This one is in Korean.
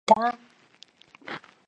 실례합니다.